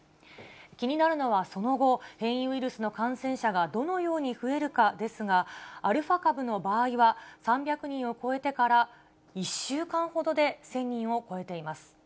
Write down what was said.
気になるのは、その後、変異ウイルスの感染者がどのように増えるかですが、アルファ株の場合は、３００人を超えてから１週間ほどで１０００人を超えています。